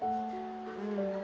うん。